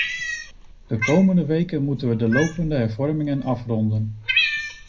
De komende weken moeten we de lopende hervormingen afronden.